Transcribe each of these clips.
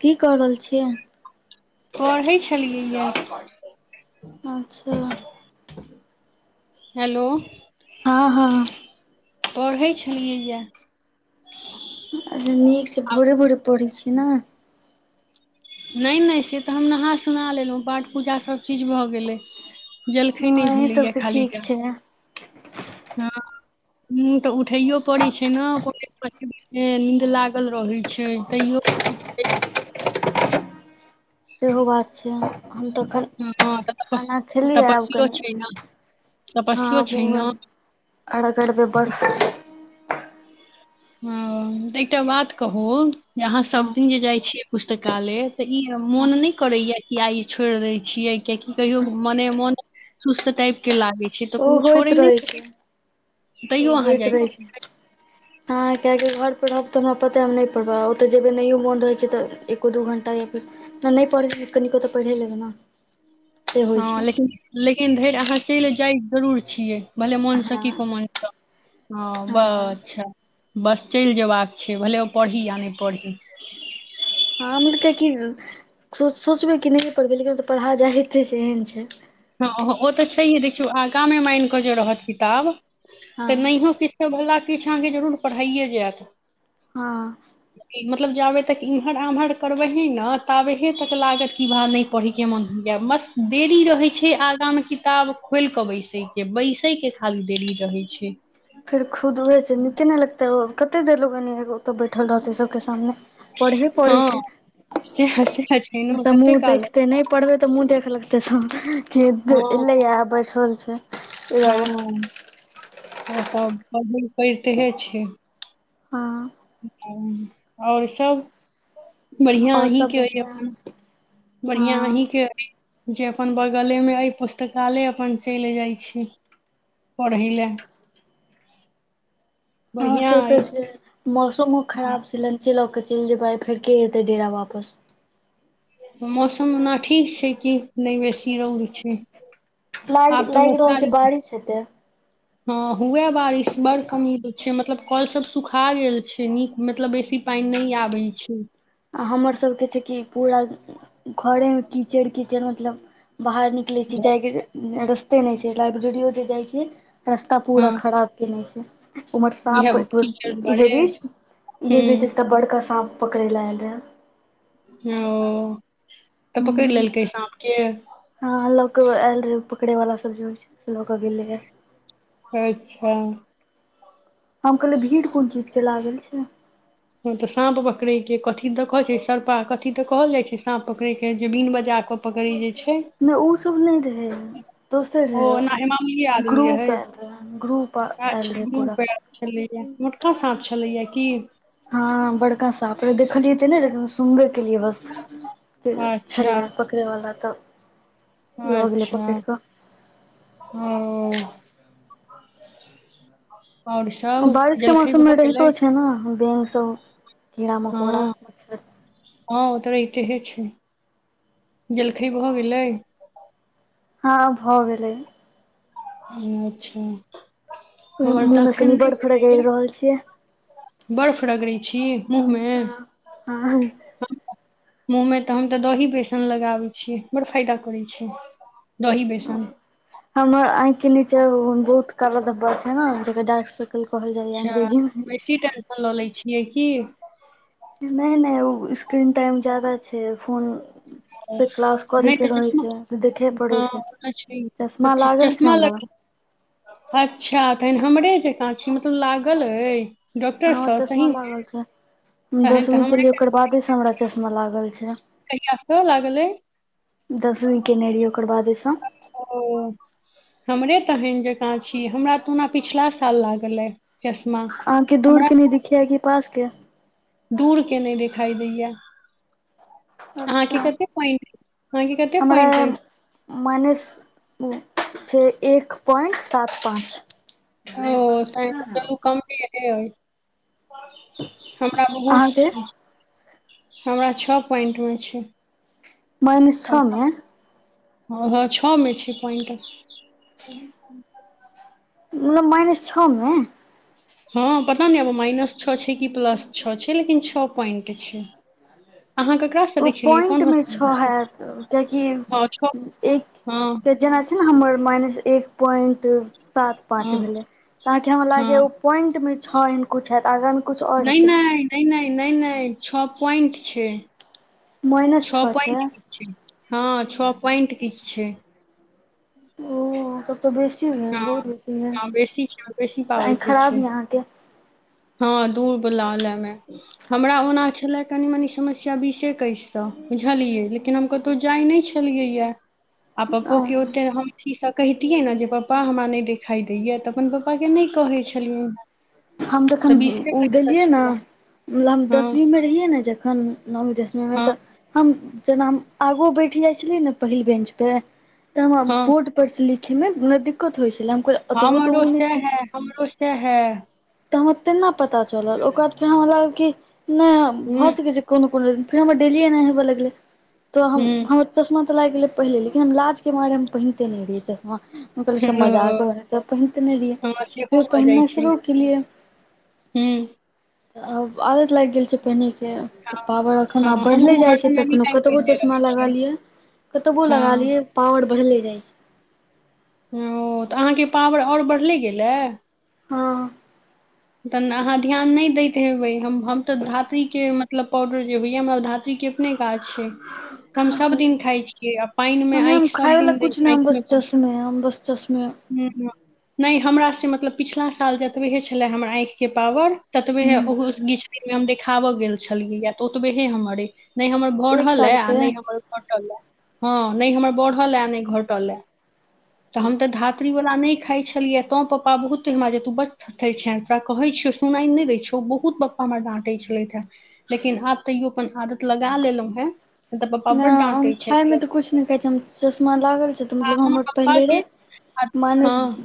की क रहल छीयै पढ़ै छलियै यए अच्छा हेलो हँ हँ पढ़ै छलियै यए अच्छा नीक छै भोरे भोरे पढ़ैत छियै ने नहि नहि से तऽ हम नहा सुना लेलहुँ पाठ पूजा सभचीज भऽ गेलै जलखै नहि अहीं भेलैया सबके खाली ठीक त छै हँ मुँ तऽ उठैयो पड़ैत छै ने पी मे नीन्द लागल रहै छै तैयो सेहो बात छै हम तऽ एखन ह त खाना खेलियै आब तपस्यो कनि छै ना तपस्यो छै न आओर अगर बे बढ़तै ह तऽ एकटा बात कहू जे अहाँ सब दिन जे जाय छियै पुस्तकालय तऽ ई हँ मोन नहि करैया किआई छोड़ देय छिये कियाकि कहियो मने मोन सुस्त टाइप के लागे छै त ओ को छो होइत नहि रहै छै त अहाँ जा आ किएकि घर पर रहब तऽ हमरा पताे हम नहि पढ़ब ओतऽ जेबै नहियो मन रहै छै तऽ एको दू घण्टा या फेर नहि नहि पढ़ै छै कनो तऽ पढ़ै लेबे ना हँ लेकिन लेकिन धरि अहाँ चलि जाइ जरूर छियै भले मोनस की हँ को मनस ह हँ बच्छा बस चलि जेबाक छै भले ओ पढ़ी आ नहि पढ़ी ह हम क सोचबै क नहि पढ़बै लेकिन तऽ पढ़ा जा हेते से एहन छै हँ ओ तऽ छैहे देखियौ आगा मे मान कऽ जे रहत किताब हँ तऽ नहिय कि वला किछु अहाँके जरूर पढ़इयए जायत हँ मतलब जाबे तक इम्हर आम्हर करबे हे ने ताबेहे तक लागत की भाव नहि पढ़िके मन होइय बस देरी रहै छै आगा मे किताब खोल के बैसे के बैसे के खाली देरी रहे छै फेर खुद ऊहं से निके न ने लगते ह कते देर लोगैने एगो तऽ बैठल रहतै सबके सामने पढ़हे पड़ै हँ छै सएह सएह छै ने सब कते मुह काल ताकिते नहि पढ़बै तऽ मुँह देख लगतै सब कि हँ एलैए बैठल छै ऐ हँ दुआरे ओ तब पहिरते करितेहे छ हँ आओर सभ बढ़िया आओर अहीं सब के हइ बढ़िआँ अपन बढ़िया अहीं हँ के ह जे अपन बगले मे एहि पुस्तकालय अपन चलि जाइत छी पढ़ै ले ह से तऽ छै मौसमो खराब छलै च लऽ कऽ चलि जेबाय फेर ह जेतै डेरा वापस मौसम ओना ठीक छै कि नहि बेसी रौद छै लाग आब तऽ बस लागि रहल तारी छै बारिश हेते हँ हुए बारिश बड़ कमी छै मतलब कलसभ सुखा गेल छै नीक मतलब बेसी पानि नहि आबै छै आ हमरसभके छै कि पूरा घरेमे कीचड़ कीचड़ मतलब बाहर निक ले छी जाय के रस्ते न छै लाइब्रेरीयो जे जाय छी रास्ता हँ पूरा खराब क नहि छै उम्हर इह साँप एको कीचड़ इहे दुआरे बीज इहे बीज ह एकटा बड़का साँप पकड़ै लऽ आयल रहै ओ तऽ पकड़ि हूँ लेलकै साँप के हँ लऽ के आयल रहय पकड़े वालला सब जे होइ छै से लऽ केऽ गेलैऽ खाय छैं हम कहलियै भीड़ कोन चीज के लागल छै हँ तऽ साँप पकड़यके कथी तऽ कहैत छै सर्पा कथी तऽ कहल जाइत छै साँप पकड़यके जमीन बजा कऽ पकड़ै जे छै नहि ओसभ नहि रहै दोसर ओ रहै ओना मामूलिये आदमी ग्रुप रहै एल ग्रुप एल अच्छा रहय पूरा ग्रुप आयल छलैया मोटका साँप छलैयै की हँ बड़का साप देखलियै ते ने लेकिन सुनबे केलियै बस अच्छा छलै पकड़यवला तऽ लऽ गेलै अच्छा पकड़ कऽ ओ आओर सब बारिश के जलखइ मौसम भऽ मे गेलै रहितो छै ने बैङ्ग सब कीड़ा मकोड़ा हँ हँ ओ तऽ रहितेहे छै जलखै भऽ गेलै हँ भऽ गेलै अचछा ओहि मुह में कनी बर्फ रगड़ी भेलैया रहल छियै बर्फ रगड़ै छी मुँह मे हँ हँ मुूँह मे तऽ हम तऽ दही बेसन लगाबै छियै बड़ फायदा करैत छै दही बेसन हमर आंखि के नीचे बहुत काला धब्बल छै ने जेकर डार्क सर्कल कहल जाय अच्छा बेसी टेंशन लऽ लै छियै की नहि नहि ओ स्क्रीन टाइम जादा छै फोन ओ, से क्लास करे नहि तऽ के रहे चश्मा छै देखे पड़े हँ छै ओ तऽ छै चश्मा तऽ लागल छै चश्मा हमरा लग अच्छा तखन हमरे जकाँ छी मतलब लागल अ डॉक्टर हँ सँ चश्मा सहीमे लागल छै तहन तऽ दसवीं हमरे केलियै ओकर बादे से हमरा चश्मा लागल छै कहिया सँ लागल अइ दसवी केने रहियै ओकर बादे सँ ओ हमरे तहन जकाँ छी हमरा तऽ ओना पिछला साल लागल अे चश्मा आहाँके दूर हमरा के नहि दिखियाै कि पास के दूर के नहि देखाई दैया अच्छा अहााके कते पॉइंट अहाँके कते हमरा पॉइंट अइ माइनस छै एक पॉइन्ट सात पाँच ओ त चलू अहाँके कमी ह हमरा बहुत हमरा छओ पोइंटमे छै मन छओ मे हँ हँ छ मे छै पॉइंट मतलब माइनस छ मे हँ पता नहि आब माइनस छ छै कि प्लस छ छै लेकिन छ पोइन्ट छै अहाँ ककरासँ ओ देखेलियै पॉइंट मे कोनथ छओ हैत कियाकि हँ हँ त जेना छै ने हमर माइनस एक पॉइन्ट सात पांच हँ भेले तऽ आहाँ के हमरा लागे हँ ओ पोइंटं छओ एहन कुछ हयत आगाँ मे कुछ आओर नहि हेते नहि नहि नहि न नहि छ पोइंट छै माइनस छ छओ छै पोइंट हँ छओ पॉइंट किछु छै ओ तब तऽ बेसी हँ बहुत बेसी य हँ बेसी छै बेसी आखिं पावरके छै खराब य अहाँके हँ दूर बलाल हमे हमरा ओना छलै कनि मनी समस्या बीसे एकैससँ बुझलियै लेकिन हम कत जाइ नहि छलियै आ पप्पो के ओे हमियै पापा हमरा नहि देखाई दैया तऽ अपन पपा के नहि कहै छलियिन हम जखन ओ गेलियै छलए नेत हम हँ दसवींमे रहियै ने जखन नवी दसमी मे हँ तऽ हम जेना हम आगो बैठि जाइ छलियै ने पहिल बेंच पे तऽ हमरा हँ बोर्ड पर से लिखे मे ने दिक्कत होइ छलै हम ओतबो तऽ हमरो ओ नहि सेहा छै हैं हमरो सेेहा हैं तऽ हमरा तेना पता चलल ओकर बाद फेर हमरा लागल कि नहि हूँ भऽ सकै छै कोनो कोनो दिन फेर हमर डेली ए नहि हवऽ लगले तो हम हूँ हमर चश्मा ऽ लागि गेलै पहिले लेकिन हम लाज के मारे हम पहिनते नहि रहिै चश्मा कहलै सब ओ मजाके होै त पहिनते नहि रहियै हमरा सेहो फो भऽ जाइ पहिननाइ छै शुरू ए हूँ आदत लागि गेल छै पहिनके तऽ पावर अखन हँ आब बढ़ले हमहूँ जाइ छै हरदम एनी तऽखनो टाइम कतबो पहिरने चश्मा रहै छियै लागलियै कतबो लगा हँ लिय पावर बढ़ले जाय छै ओ तऽ अहाँके पावर आओर बढ़ले गेलए हँ तहऽ अहाँ ध्यान नहि दैत हेबै हम हम तऽ धात्रीके मतलब पाउडर जे होइए हमरा धातृीके अपने गाछ छै हम सब अच्छा दिन खाय छीयै आ पानि मे नहि हम आँखि सब खायवला दिन द किछु हम आँखि बस मे नहि हम बस चसमे हँ नहि हमरासँ मतलब पिछला साल जतबहे छलए हमर आँखिके पावर ततबे हे ओहो किछ दिन मे हम देखाबऽ गेल छलियै या तऽ ओतबे हे हमरे नहि हमर एक बरहल हे साल आ के नहि घटल हे हँ नहि हमर बढ़ल ह नहि घटल ह तऽ हम तऽ ध बातीवला नहि खाइ छलिय तँ पपापा बहुतेहिरा जेतू बच छ तोरा कहै छियौ सुनाय नहि दै छौ बहुत पप्पा हमरा डाँटे छलथि हेँ लेकिन आब तैयो अपन आदत लगा लेलहुं हें नहि हम खायमे तऽ किछु नहि कहै छैै हम चश्मा लागल छै तऽ आ मतलब हमर हम आर पहिले पप्पाके आद- रहे माइनस हँ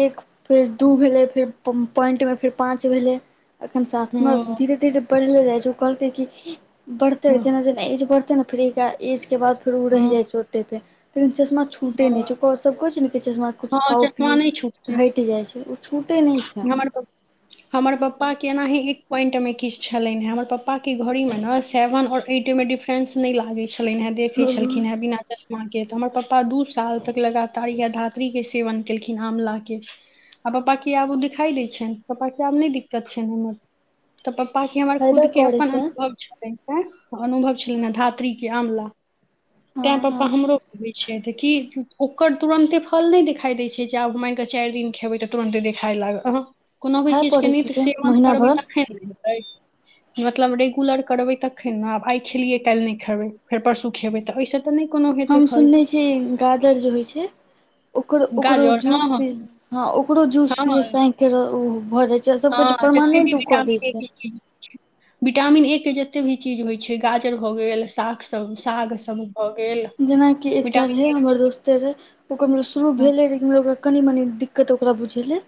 एक फेर दू भेलै फेर पॉइन्टमे फेर पाँच भेलै अखन साथ मे हँ धीरे धीरे बढ़ले जाय छै ओ कहलकै क बढ़ते हँ जेना जेना एज बढ़त फ्री एस के बाद फेर ओ रहहि हँ जाइ चोटे पे फे चश्मा छूटे हँ नहि चुप ओ सब किछु नहि कहै छै किछु हँ खाउ चश्मा पिउ नहि छुटतै तऽ हटि जाइ छै ओ छूटै नहि छै [unintelligible] हमर पप्पा के एना ही एक पॉइंट मे किछ छलनि हे हमर पप्पा के घड़ी में ने सेवन आओर एट मे डिफे फ्रेंस नहि लागे छलनि हे देखे छलखिन हेँ बिना चश्मा के तऽ हमर पप्पा दू साल तक लगातार यएह धात्री के सेवन केलखिन आमलाक के आ पप्पा की आब ओ दिखाई दै छनि पप्पा के आब नहि दिक्कत छनि हमर पप्पा के हमर खुद फायदा के करै अपन छै अनुभव छै अनुभव छलनि हे धात्री के आवला हँ तैं हँ पप्पा हमरो तऽ क ओकर तुरन्ते फल नहि देखाई देय छै जे आब मान के चारि दिन खेबै तऽ तुरन्ते खाय लाग अ कोनो भी खाय चीज के न पड़ैत तऽ हेतै सेवन महिना करबै भर तखन ने हेतै मतलब रेगुलर करबै तखन ने आब आइ खेलियै काल्हि नहि खेबै फेर परसू खेबै तऽ एहिसँ तऽ नहि कोनो हेतै हम फल सुनने छी गाजर जे होइ छै ओकरो ओकरो गाजर जूस हँ हँ पी हँ ओकरो जूस हँ पियैसँ आँखिक ओ भऽ जाइ छै आ सभके हँ जते भी परमानेंट ओ कऽ विटामिन दै ए छै [inaudible] विटामिन ए के जतेक भी चीज होइ छै गाजर भऽ गेल सागसभ साग सभ भऽ गेल जेनाकि एकटा विटामिन रहै ए हमर दोस्त करै ओकर तब शुरू हँ भेले रहै ओकरा कनी मनी दिक्कत ओकरा बुझेलै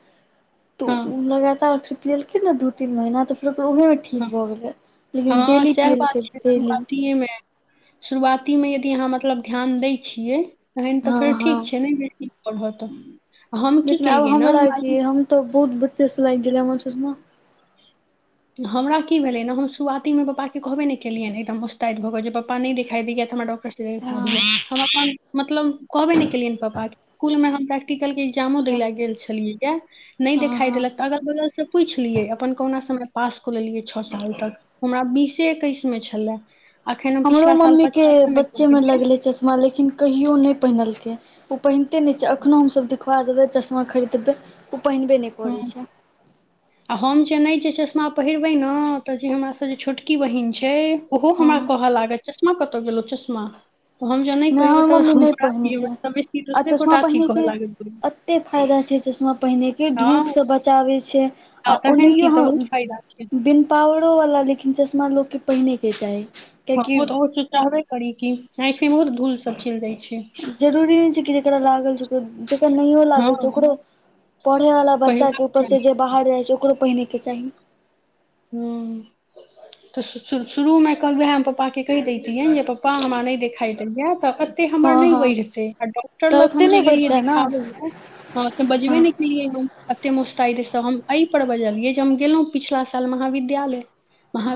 तो ओ हँ लगातार ट्रिप लेलखिन ने द तीन महीना तऽ फेर उहे ठीक हँ भऽ गेलै लेकिन डेली पिलकै डेली कि ऐमे शुरुआतीमे यदि अहाँ मतलब ध्यान दै छियै तहन तऽ हँ फेर हँ ठीक छै नहि [unintelligible] होत लेकिन आब हमरा क हम तो बहुत बत्चे से लागि गेले हमर चश्मा हमरा की भेलै ने हम शुरुआतीमे पापाेँ कहबे नहि केलियैनि एकदम उस्तद भऽ गेल जे पप्पा पप न नहि दिखई द य ऽ हमरा डॉक्टर सँ देखा हँ दियऐ हम मतलब कहबे नहि केलियनि पापा के इकलमे हमै प्रैक्टिकल के एग्जामो अच्छा देल ल गेल छलियै क नहि हँ देखाइ हँ देलक ऽ अगल बगल से पूछि लियै अपन कहुना समय पास कऽ लेलियै छओ साल तक हमरा बीसे एकैस मे छलै हमरो मम्मी के बच्चे में लेलियै लगले चश्मा लेकिन कहियो नहि पहिनलकै ओ पहिनते नहि छै अखनो हम सब दिवा देबे चश्मा खरीदबै ओ पहिनबे ने ह आ हम जे नहि जे चश्मा पहिरबै ने तऽ जे हमरास जे छोटकी बहिन छै ओहो हमरा हँ कहऽ लागल चश्मा कतहु गेलहु चश्मा तऽ हम ज नहि हमर पहिरबै तब मम्मी हम अ नहि पहिनै छै हमरा समझ आ दोसरे गोटा अथी कहऽ लागै छै कते फायदा छै चश्मा पहिने के धूप हँ से बचाबै छै आ तहन की ओनाहियो तऽ बहुत हम फायदा छै बिन पावड़ो वाला लेकिन चश्मा लोकोग के पहिने के चाही कियाकि ओ तऽ चाहबे करी की आखे मे बहुत धूल सब चलि जाइ छै जरूरी नहि छै कि जेकरा लागल जेकर नहियो हँ लागल छै ओकरो पढ़े वाला बच्चा पहिरबाक के ऊपर चाही से जे बाहर जाय छै ओकरो पहिने के चाही हू तऽ शुरूमे कहलएह हम पापाके कहि दैतियै जे पपापा हमरा नहि देखा दहियै एतऽ हमर हँ नहि हँ बढ़ते आ डॉक्टर तऽ लग ओते हम जे नहि गेलियै बढ़तै ने देखाबे बजबे हँ ने बाजतियै हम एते मुस्तैद से हम एहि पर बजलियै जे हम गेलहुँ पिछला महाविद्यालय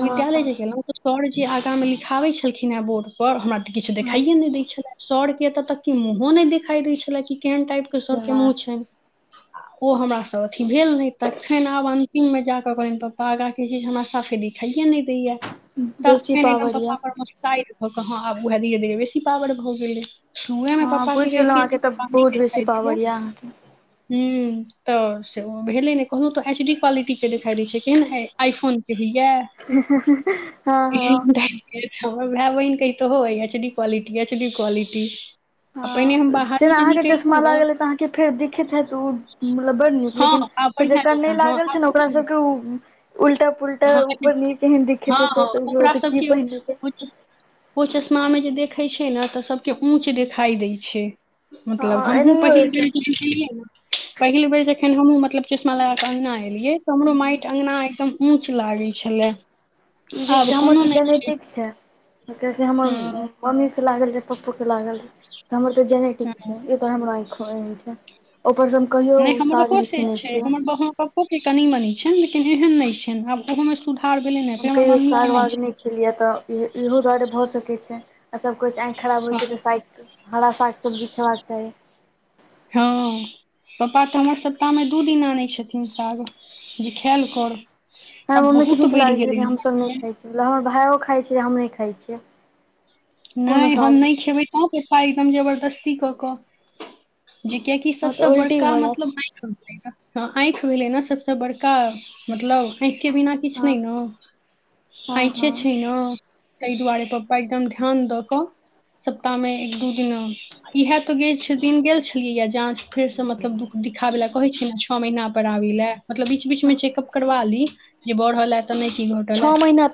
हँ हँ जे गेलहुं त सरजी आगा में लिखाबे छलखिन हे बोर्ड सर हमरा तऽ किछु हँ देखाइे नहि दै छले सर के एतऽ तक के मुँहो नहि देखाई देय छले कि केहन टाइप के सर के मुँह अच्छा छै आ ओ हमरास अथी भेल नहि तखन आब अन्तिममे जा कऽ कहलन्हि तऽ प पा चीज हमरा साफे दिखाइे न दैया तख बेसी फेन एकदम पावर यऽ पप्पा पर शइट भऽ कऽ हँ आब उएह धीरे धीरे बेसी पावर भऽ गेलै सुए में हँ पप्पा के बुझि गेलहुँ कहती है जे अहाँके तऽ पापा नहि बहुत बेसी देखा दै पावर यै यऽ अहाँके ह तऽ भेले ने कहनो तऽ एच डी क्वालिटी के देखाई दै छै एहन आइ फोन के भइयए हँ हँ टाइप हमर भाय बहिन कहि तो ह H D quality HD quality ह आ पहिने हम बाहरो जेना जे अहाँके चश्मा निकलितहुँ ने लागलै तऽ अहाँके फेर दिखैत हेत उ त मतलब बड़ नीक हँ लेकिन आब बढ़िआँ जेकरा नहि जकाँ हँ लागल छै ने ओकरा आब सबके उ उलटा पुलटा हँ ऊपर नीचे एहन दिखैत हँ हेतै हँ ओकरा तऽ की सबके पहिनने छै ओ जे ओ चश्मा मे जे देखै छै ने तऽ सबके ऊंच देखाई दै छै मतलब हँ हमहुं एनाहियो होइ पहिले छै बेरियै पहिल बेर जखन हमहु मतलब चश्मा लगाऽ अगना एलियै तऽ हमरो माटि अंगना एकदम ऊंच लागे छलै ई आब छै हमर कोनो तऽ नहि जेनेटिक छै कियकि हमर हँ मम्मी के लागल रहे पप्पो के लागल रहे त हमर तऽ जेनेटिक हँ छै तर हमरा आँखो एहन छै ऊपरसँ हम कहियो साग नहि खेनै छियै पप्पोके कनि मनी छनि लेकिन एहन नहि छनि आब ओहोमे सुधार भेलै ह फेर हमर मम्मीके नहि छ लिय तऽ इ इहो दुआरे भऽ सकैत छै आ सभ कहै छै आँखि खराब होइ हँ छै तऽ साग हरा साग सब्जी खेबाक चाही हँ पापा तऽ हमर सप्ताहमे दू दिन आनै छथिन साग जे खायल कर हमरा आब मम्मी के बहुत नीक बढ़ि लागे छै लेकिन हमसब नहि गेलै खाय छियै हमर भायो खाइत छै हम नहि खाइ छियै कोनो नहि हम स्वाद नहि खेबै तह त पापा एकदम जबरदस्ती कऽ कऽ जी कियाकि हँ तऽ सबसँ उल्टी बड़का भऽ जायत मतलब हँ आँखि भेलै ने सबस बड़का मतलब आँखि के बिना किछ हँ नहि ने हँ आंखे छै हँ ने ताहि दुआरे पप्पा एकदम ध्यान द क सप्ताह मे एक दू दिन इहे तो गेल दिन गेल छलियै य जाँच फेरसँ मतलब दुख दिखाबे ल कहै छै ने छओ महीना पर आबी लए मतलब बीच बीच में चेकअप करबा ली जे बढ़ल ह तऽ नहि की घटलए छओ महीना